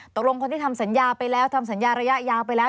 คนที่ทำสัญญาไปแล้วทำสัญญาระยะยาวไปแล้ว